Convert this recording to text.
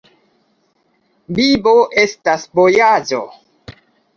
Vivo estas vojaĝo.